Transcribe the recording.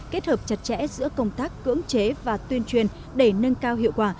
kết hợp chặt chẽ giữa công tác cưỡng chế và tuyên truyền để nâng cao hiệu quả